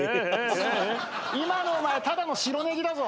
今のお前ただの白ネギだぞ！